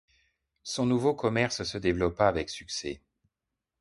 Son nouveau commerce se développa avec succès.